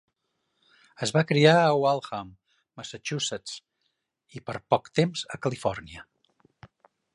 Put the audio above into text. Es va criar a Waltham, Massachusetts, i per poc temps a Califòrnia.